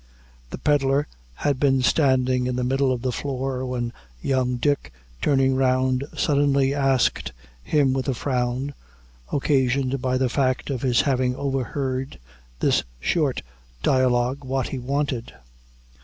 The pedlar had been standing in the middle of the floor, when young Dick, turning round suddenly, asked him with a frown, occasioned by the fact of his having overheard this short dialogue, what he wanted.